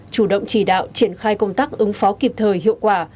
chủ động chỉ đạo triển khai công tác ứng phó kịp thời hiệu quả